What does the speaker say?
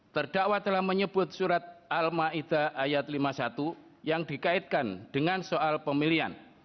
terdakwa telah menyebut surat al ⁇ maidah ⁇ ayat lima puluh satu yang dikaitkan dengan soal pemilihan